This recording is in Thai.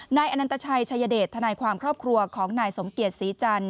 นายอนันตชัยชายเดชทนายความครอบครัวของนายสมเกียจศรีจันท